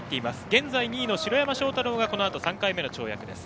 現在２位の城山正太郎がこのあと、３回目の跳躍です。